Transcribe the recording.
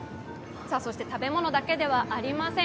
そして食べ物だけではありません。